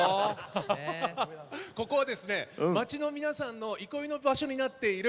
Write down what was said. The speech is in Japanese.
ここは町の皆さんの憩いの場所になっている